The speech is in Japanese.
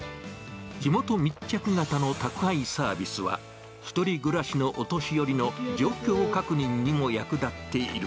地元密着型の宅配サービスは、１人暮らしのお年寄りの状況確認にも役立っている。